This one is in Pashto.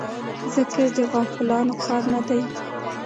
ذکر د غافلانو کار نه دی.